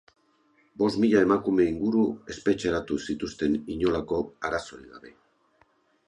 Bost mila emakume inguru espetxeratu zituzten inolako arrazoirik gabe.